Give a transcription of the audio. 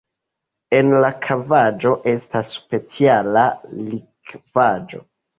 En la kavaĵo estas speciala likvaĵo.